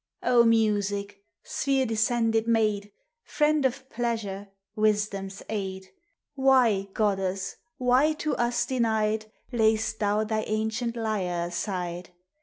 O Music ! sphere descended maid, Friend of pleasure, wisdom's aid ! THE ARTS. 371 Why, goddess, why, to us denied, Lay'st thou thy ancient lyre aside?